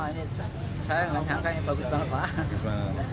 ini saya yang menyangka ini bagus banget pak